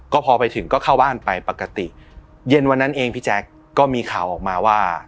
ก็พอไปถึงก็เข้าบ้านไปปกติเย็นวันนั้นเองพี่แจ๊คก็มีข่าวออกมาว่า